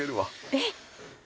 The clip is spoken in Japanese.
えっ！